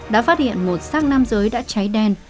đã phát hiện một sát nam giới đã cháy đen